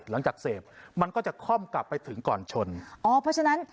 หลังจากเสพมันก็จะค่อมกลับไปถึงก่อนชนอ๋อเพราะฉะนั้น